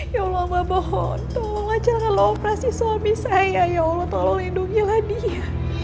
ya allah ya allah maafkan tolong jangan lho operasi suami saya ya allah tolong lindungilah dia